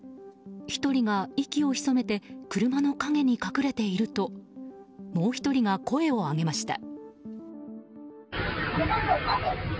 １人が息をひそめて車の陰に隠れているともう１人が声を上げました。